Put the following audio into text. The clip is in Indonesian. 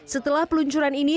setelah peluncuran ini